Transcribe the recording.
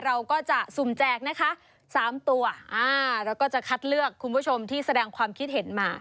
เราก็จะสุ่มแจกนะคะสามตัวอ่าแล้วก็จะคัดเลือกคุณผู้ชมที่แสดงความคิดเห็นมา